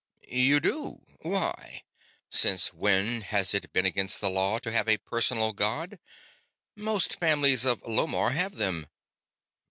"You do? Why? Since when has it been against the law to have a personal god? Most families of Lomarr have them."